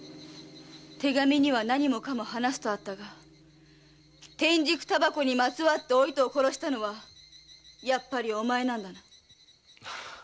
手紙には「何もかも話す」とあったが天竺煙草にまつわってお糸を殺したのはやっぱりお前なんだな？